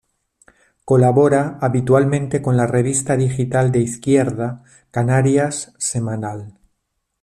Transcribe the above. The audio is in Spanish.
Colabora habitualmente con la revista digital de izquierda Canarias Semanal.